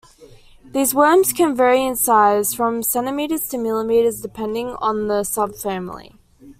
These worms can vary in size, from centimeters to millimeters, depending on the subfamily.